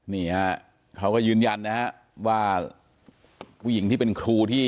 นี่ฮะเขาก็ยืนยันนะฮะว่าผู้หญิงที่เป็นครูที่